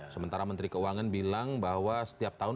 sementara menteri keuangan bilang bahwa setiap tahun